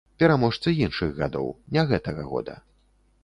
Пераможцы іншых гадоў, не гэтага года.